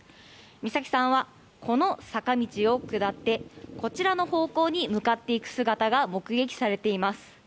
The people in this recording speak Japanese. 美咲さんは、この坂道を下ってこちらの方向に向かっていく姿が目撃されています。